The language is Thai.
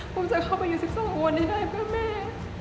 ภูมิจะเข้าไปอยู่๑๒วันนี้ได้เพื่อแม่